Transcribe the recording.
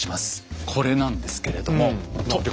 これなんですけれどもとっ！